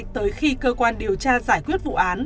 tới khi cơ quan điều tra giải quyết vụ án